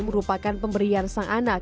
merupakan pemberian sang anak